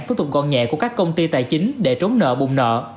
thuộc tục gọn nhẹ của các công ty tài chính để trốn nợ bụng nợ